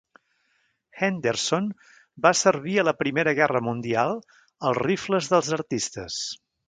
Henderson va servir a la Primera Guerra Mundial als Rifles dels Artistes.